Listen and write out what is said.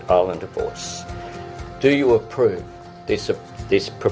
apakah anda menetapkan peraturan ini